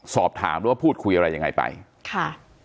สอบถามหรือว่าพูดคุยอะไรยังไงไปค่ะ